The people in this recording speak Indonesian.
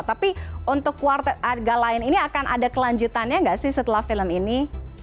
tapi untuk quarte arga lain ini akan ada kelanjutannya nggak sih setelah film ini